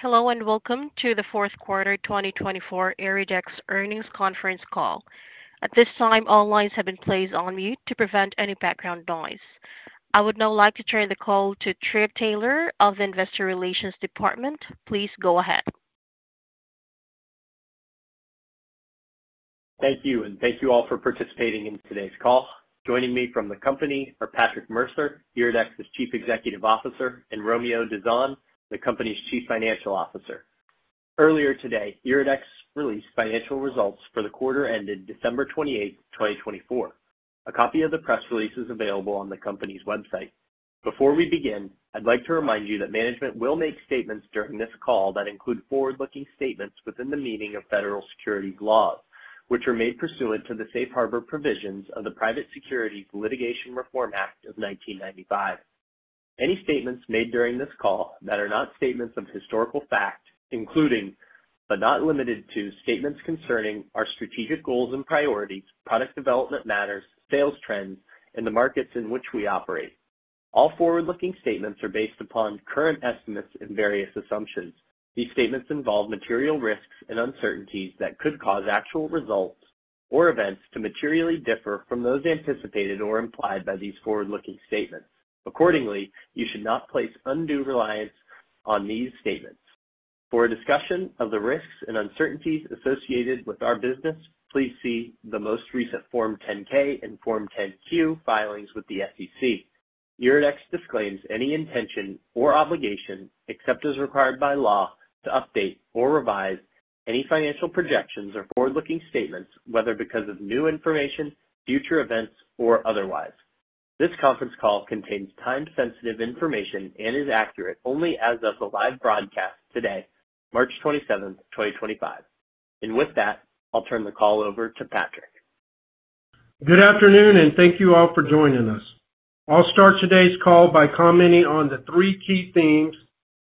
Hello and welcome to the fourth quarter 2024 Iridex earnings conference call. At this time, all lines have been placed on mute to prevent any background noise. I would now like to turn the call to Trip Taylor of the Investor Relations Department. Please go ahead. Thank you, and thank you all for participating in today's call. Joining me from the company are Patrick Mercer, Iridex's Chief Executive Officer, and Romeo Dizon, the company's Chief Financial Officer. Earlier today, Iridex released financial results for the quarter ended December 28th, 2024. A copy of the press release is available on the company's website. Before we begin, I'd like to remind you that management will make statements during this call that include forward-looking statements within the meaning of federal securities laws, which are made pursuant to the safe harbor provisions of the Private Securities Litigation Reform Act of 1995. Any statements made during this call that are not statements of historical fact, including, but not limited to, statements concerning our strategic goals and priorities, product development matters, sales trends, and the markets in which we operate. All forward-looking statements are based upon current estimates and various assumptions. These statements involve material risks and uncertainties that could cause actual results or events to materially differ from those anticipated or implied by these forward-looking statements. Accordingly, you should not place undue reliance on these statements. For a discussion of the risks and uncertainties associated with our business, please see the most recent Form 10-K and Form 10-Q filings with the SEC. Iridex disclaims any intention or obligation, except as required by law, to update or revise any financial projections or forward-looking statements, whether because of new information, future events, or otherwise. This conference call contains time-sensitive information and is accurate only as of the live broadcast today, March 27th, 2025. With that, I'll turn the call over to Patrick. Good afternoon, and thank you all for joining us. I'll start today's call by commenting on the three key themes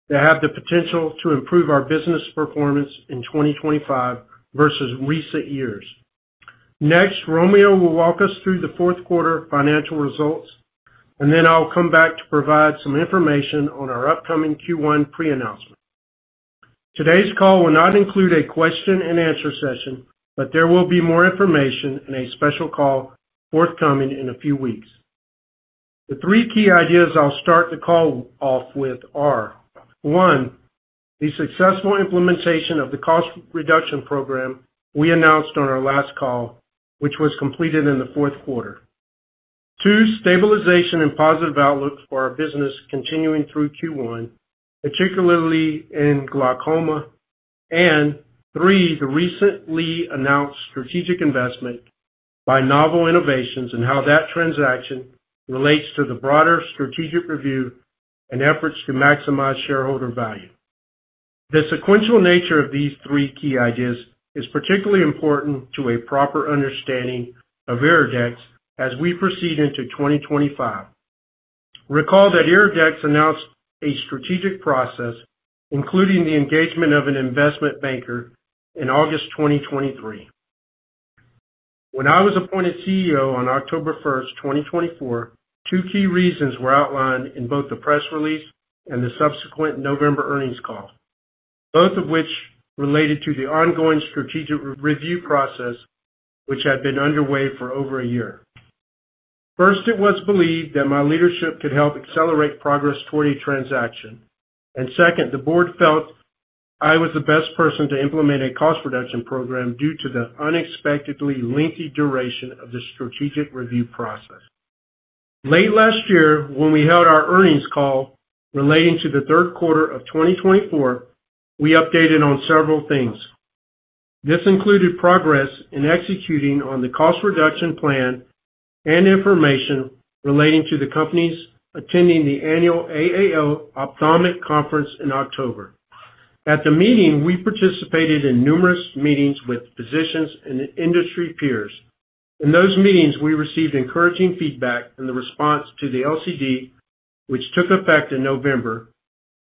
that have the potential to improve our business performance in 2025 versus recent years. Next, Romeo will walk us through the fourth quarter financial results, and then I'll come back to provide some information on our upcoming Q1 pre-announcement. Today's call will not include a question-and-answer session, but there will be more information and a special call forthcoming in a few weeks. The three key ideas I'll start the call off with are: one, the successful implementation of the cost reduction program we announced on our last call, which was completed in the fourth quarter. Two, stabilization and positive outlook for our business continuing through Q1, particularly in glaucoma. Three, the recently announced strategic investment by Novel Innovations and how that transaction relates to the broader strategic review and efforts to maximize shareholder value. The sequential nature of these three key ideas is particularly important to a proper understanding of Iridex as we proceed into 2025. Recall that Iridex announced a strategic process, including the engagement of an investment banker, in August 2023. When I was appointed CEO on October 1st, 2024, two key reasons were outlined in both the press release and the subsequent November earnings call, both of which related to the ongoing strategic review process, which had been underway for over a year. First, it was believed that my leadership could help accelerate progress toward a transaction. Second, the board felt I was the best person to implement a cost reduction program due to the unexpectedly lengthy duration of the strategic review process. Late last year, when we held our earnings call relating to the third quarter of 2024, we updated on several things. This included progress in executing on the cost reduction plan and information relating to the companies attending the annual AAO Optometric Conference in October. At the meeting, we participated in numerous meetings with physicians and industry peers. In those meetings, we received encouraging feedback in the response to the LCD, which took effect in November,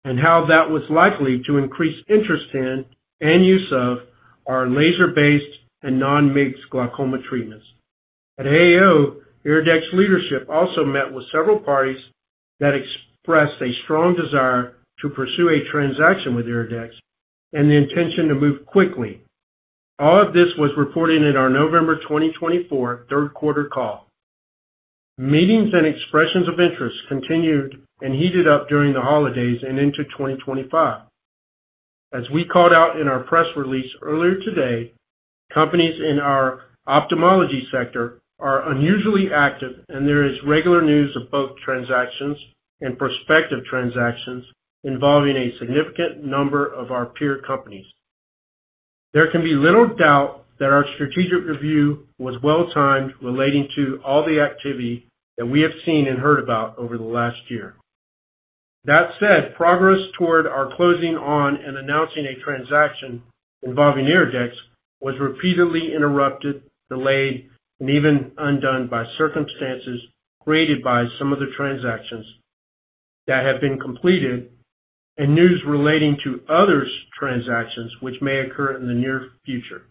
and how that was likely to increase interest in and use of our laser-based and non-MIGS glaucoma treatments. At AAO, Iridex leadership also met with several parties that expressed a strong desire to pursue a transaction with Iridex and the intention to move quickly. All of this was reported in our November 2024 third quarter call. Meetings and expressions of interest continued and heated up during the holidays and into 2025. As we called out in our press release earlier today, companies in our ophthalmology sector are unusually active, and there is regular news of both transactions and prospective transactions involving a significant number of our peer companies. There can be little doubt that our strategic review was well-timed relating to all the activity that we have seen and heard about over the last year. That said, progress toward our closing on and announcing a transaction involving Iridex was repeatedly interrupted, delayed, and even undone by circumstances created by some of the transactions that have been completed and news relating to other transactions which may occur in the near future.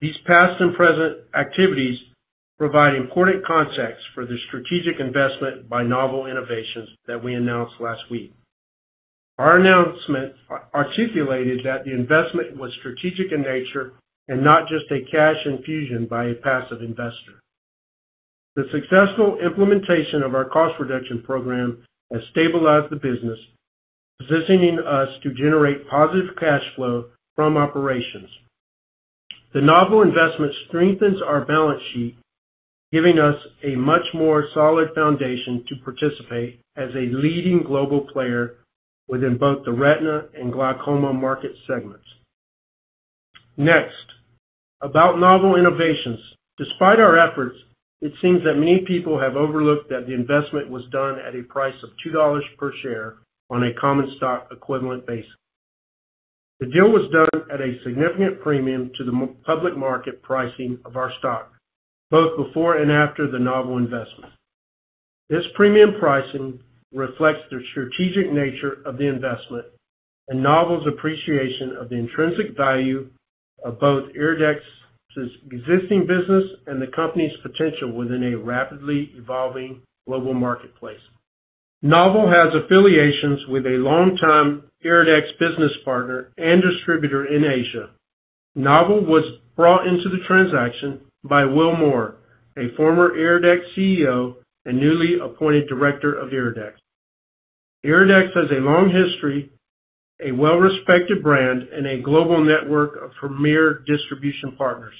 These past and present activities provide important context for the strategic investment by Novel Innovations that we announced last week. Our announcement articulated that the investment was strategic in nature and not just a cash infusion by a passive investor. The successful implementation of our cost reduction program has stabilized the business, positioning us to generate positive cash flow from operations. The Novel investment strengthens our balance sheet, giving us a much more solid foundation to participate as a leading global player within both the retina and glaucoma market segments. Next, about Novel Innovations. Despite our efforts, it seems that many people have overlooked that the investment was done at a price of $2 per share on a common stock equivalent basis. The deal was done at a significant premium to the public market pricing of our stock, both before and after the Novel investment. This premium pricing reflects the strategic nature of the investment and Novel's appreciation of the intrinsic value of both Iridex's existing business and the company's potential within a rapidly evolving global marketplace. Novel has affiliations with a longtime Iridex business partner and distributor in Asia. Novel was brought into the transaction by Will Moore, a former Iridex CEO and newly appointed director of Iridex. Iridex has a long history, a well-respected brand, and a global network of premier distribution partners.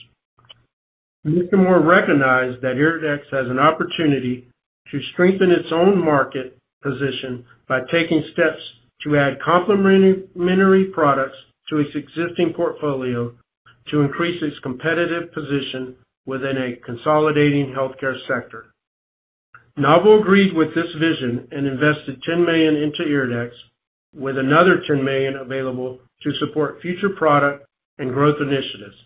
Mr. Moore recognized that Iridex has an opportunity to strengthen its own market position by taking steps to add complementary products to its existing portfolio to increase its competitive position within a consolidating healthcare sector. Novel agreed with this vision and invested $10 million into Iridex, with another $10 million available to support future product and growth initiatives.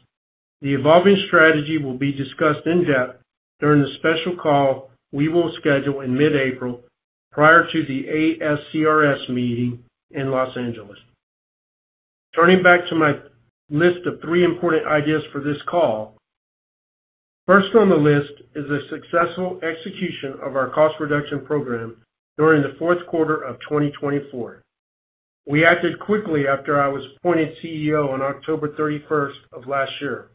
The evolving strategy will be discussed in depth during the special call we will schedule in mid-April prior to the ASCRS meeting in Los Angeles. Turning back to my list of three important ideas for this call, first on the list is the successful execution of our cost reduction program during the fourth quarter of 2024. We acted quickly after I was appointed CEO on October 31st of last year.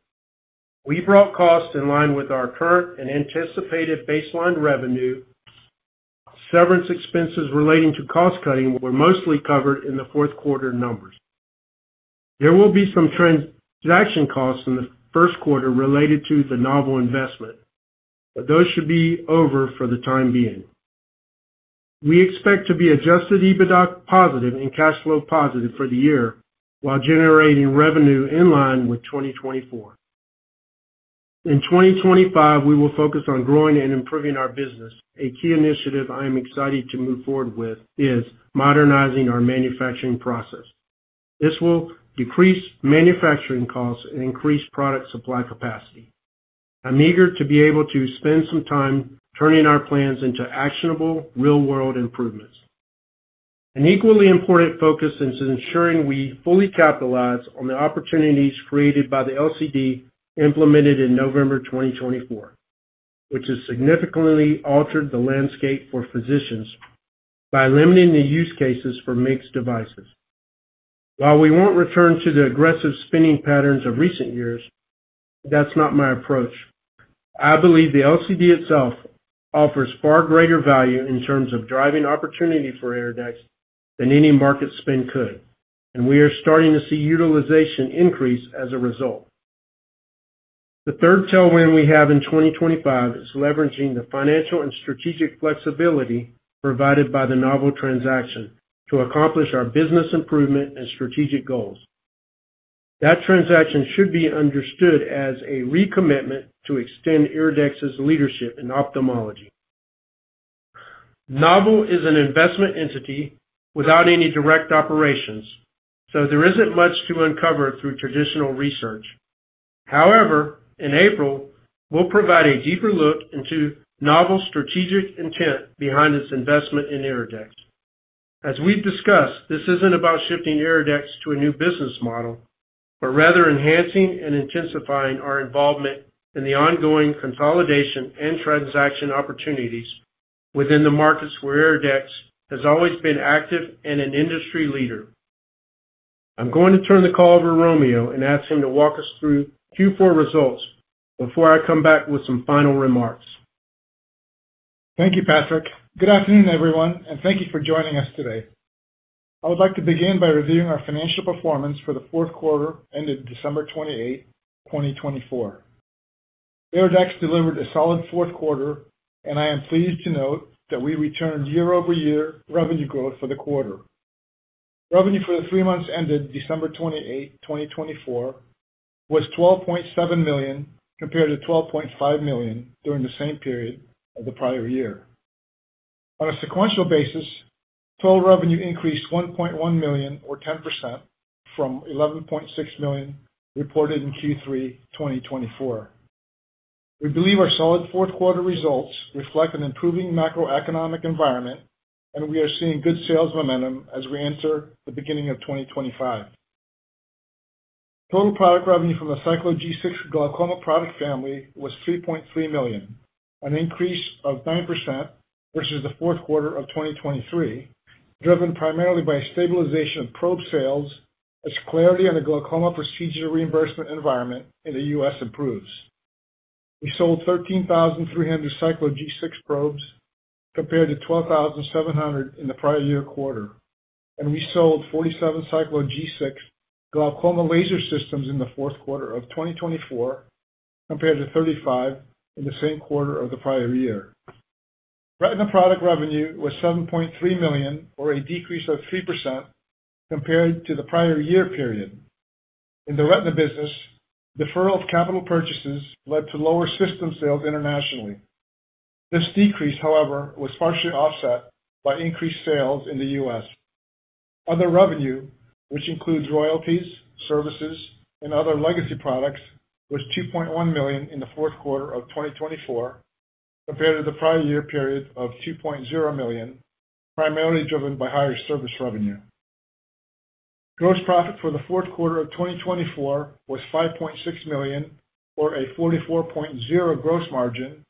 We brought costs in line with our current and anticipated baseline revenue. Severance expenses relating to cost cutting were mostly covered in the fourth quarter numbers. There will be some transaction costs in the first quarter related to the Novel investment, but those should be over for the time being. We expect to be adjusted EBITDA positive and cash flow positive for the year while generating revenue in line with 2024. In 2025, we will focus on growing and improving our business. A key initiative I am excited to move forward with is modernizing our manufacturing process. This will decrease manufacturing costs and increase product supply capacity. I'm eager to be able to spend some time turning our plans into actionable real-world improvements. An equally important focus is ensuring we fully capitalize on the opportunities created by the LCD implemented in November 2024, which has significantly altered the landscape for physicians by limiting the use cases for MIGS devices. While we won't return to the aggressive spending patterns of recent years, that's not my approach. I believe the LCD itself offers far greater value in terms of driving opportunity for Iridex than any market spend could, and we are starting to see utilization increase as a result. The third tailwind we have in 2025 is leveraging the financial and strategic flexibility provided by the Novel transaction to accomplish our business improvement and strategic goals. That transaction should be understood as a recommitment to extend Iridex's leadership in ophthalmology. Novel is an investment entity without any direct operations, so there isn't much to uncover through traditional research. However, in April, we'll provide a deeper look into Novel's strategic intent behind its investment in Iridex. As we've discussed, this isn't about shifting Iridex to a new business model, but rather enhancing and intensifying our involvement in the ongoing consolidation and transaction opportunities within the markets where Iridex has always been active and an industry leader. I'm going to turn the call over to Romeo and ask him to walk us through Q4 results before I come back with some final remarks. Thank you, Patrick. Good afternoon, everyone, and thank you for joining us today. I would like to begin by reviewing our financial performance for the fourth quarter ended December 28th, 2024. Iridex delivered a solid fourth quarter, and I am pleased to note that we returned year-over-year revenue growth for the quarter. Revenue for the three months ended December 28th, 2024, was $12.7 million compared to $12.5 million during the same period of the prior year. On a sequential basis, total revenue increased $1.1 million, or 10%, from $11.6 million reported in Q3 2024. We believe our solid fourth quarter results reflect an improving macroeconomic environment, and we are seeing good sales momentum as we enter the beginning of 2025. Total product revenue from the Cyclo G6 glaucoma product family was $3.3 million, an increase of 9% versus the fourth quarter of 2023, driven primarily by stabilization of probe sales as clarity on the glaucoma procedure reimbursement environment in the U.S. improves. We sold 13,300 Cyclo G6 probes compared to 12,700 in the prior year quarter, and we sold 47 Cyclo G6 glaucoma laser systems in the fourth quarter of 2024 compared to 35 in the same quarter of the prior year. Retina product revenue was $7.3 million, or a decrease of 3% compared to the prior year period. In the retina business, deferral of capital purchases led to lower system sales internationally. This decrease, however, was partially offset by increased sales in the U.S. Other revenue, which includes royalties, services, and other legacy products, was $2.1 million in the fourth quarter of 2024 compared to the prior year period of $2.0 million, primarily driven by higher service revenue. Gross profit for the fourth quarter of 2024 was $5.6 million, or a 44.0% gross margin,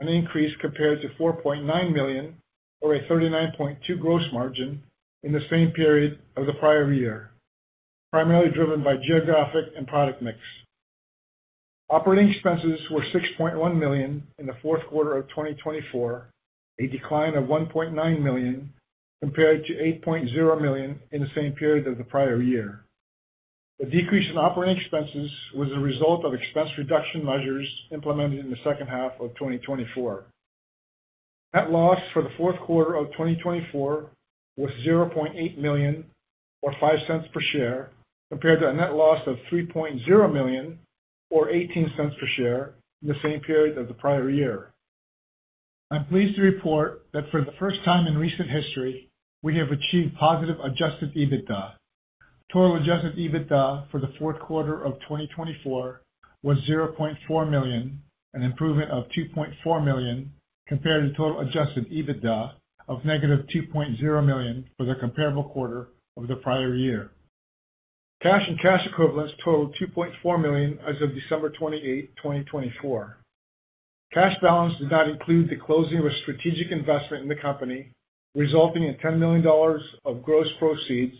an increase compared to $4.9 million, or a 39.2% gross margin in the same period of the prior year, primarily driven by geographic and product mix. Operating expenses were $6.1 million in the fourth quarter of 2024, a decline of $1.9 million compared to $8.0 million in the same period of the prior year. The decrease in operating expenses was a result of expense reduction measures implemented in the second half of 2024. Net loss for the fourth quarter of 2024 was $0.8 million, or $0.05 per share, compared to a net loss of $3.0 million, or $0.18 per share, in the same period of the prior year. I'm pleased to report that for the first time in recent history, we have achieved positive adjusted EBITDA. Total adjusted EBITDA for the fourth quarter of 2024 was $0.4 million, an improvement of $2.4 million compared to total adjusted EBITDA of -$2.0 million for the comparable quarter of the prior year. Cash and cash equivalents totaled $2.4 million as of December 28th, 2024. Cash balance did not include the closing of a strategic investment in the company, resulting in $10 million of gross proceeds,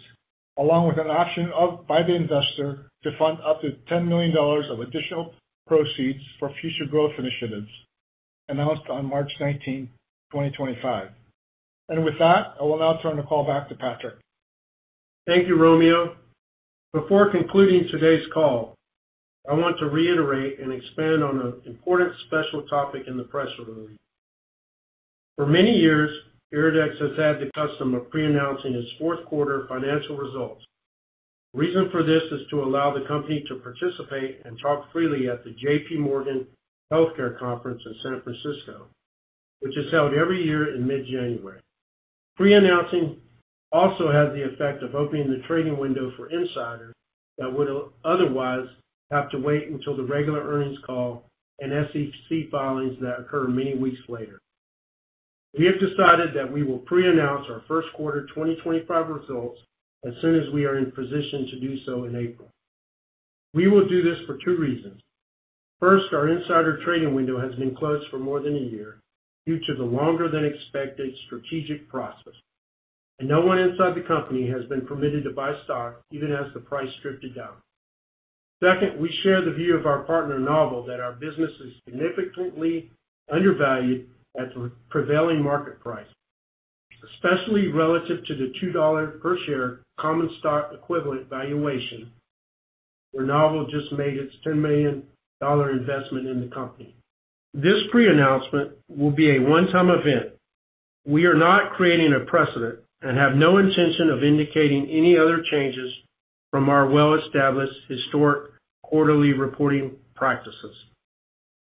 along with an option by the investor to fund up to $10 million of additional proceeds for future growth initiatives announced on March 19th, 2025. With that, I will now turn the call back to Patrick. Thank you, Romeo. Before concluding today's call, I want to reiterate and expand on an important special topic in the press release. For many years, Iridex has had the custom of pre-announcing its fourth quarter financial results. The reason for this is to allow the company to participate and talk freely at the JPMorgan Healthcare Conference in San Francisco, which is held every year in mid-January. Pre-announcing also has the effect of opening the trading window for insiders that would otherwise have to wait until the regular earnings call and SEC filings that occur many weeks later. We have decided that we will pre-announce our first quarter 2025 results as soon as we are in position to do so in April. We will do this for two reasons. First, our insider trading window has been closed for more than a year due to the longer-than-expected strategic process, and no one inside the company has been permitted to buy stock even as the price drifted down. Second, we share the view of our partner, Novel, that our business is significantly undervalued at the prevailing market price, especially relative to the $2 per share common stock equivalent valuation where Novel just made its $10 million investment in the company. This pre-announcement will be a one-time event. We are not creating a precedent and have no intention of indicating any other changes from our well-established historic quarterly reporting practices.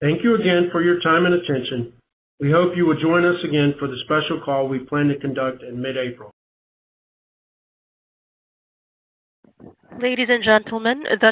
Thank you again for your time and attention. We hope you will join us again for the special call we plan to conduct in mid-April. Ladies and gentlemen, the.